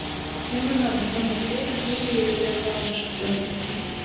Hemme zadyň gymmaty bir-biri bilen baglanşykly.